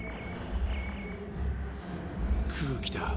・空気だ。